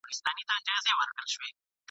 څوچي څاڅکي ترې تویېږي ..